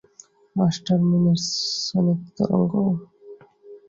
Master মিনের sonic তরঙ্গ?